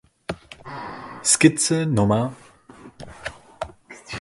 Skizze Nr.